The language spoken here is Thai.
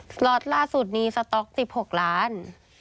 สต๊อคลอตล่าสุดนี้สต๊อก๑๖ล้าน